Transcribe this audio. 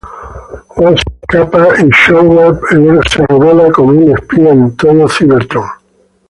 Wasp escapa y Shockwave es revelado como un espía en todo Cybertron.